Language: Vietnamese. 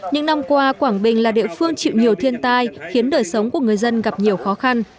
những năm qua quảng bình là địa phương chịu nhiều thiên tai khiến đời sống của người dân gặp nhiều khó khăn